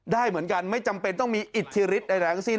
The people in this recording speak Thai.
ได้เหมือนกันไม่จำเป็นต้องมีอิทธิฤทธใดแรงสิ้น